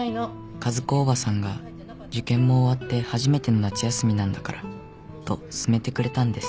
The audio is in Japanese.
「和子おばさんが受験も終わって初めての夏休みなんだからと勧めてくれたんです」